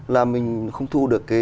là mình không thu được